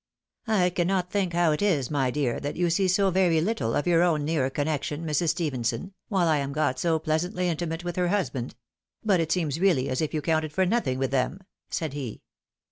"I cannot think how it is, my dear, that you see so very little of your own near connection, Mrs. Stephenson, while I am got so pleasantly intimate with her husband ; but it seems really as if you.counted for nothing with them," said he.